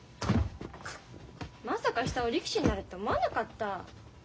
まさか久男力士になるって思わなかった。